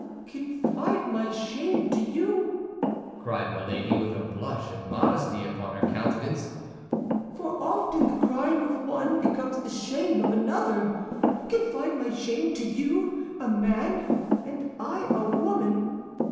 "Confide my shame to you," cried Milady, with the blush of modesty upon her countenance, "for often the crime of one becomes the shame of another—confide my shame to you, a man, and I a woman?